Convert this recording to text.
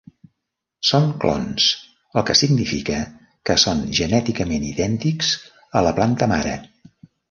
Són clons, el que significa que són genèticament idèntics a la planta mare.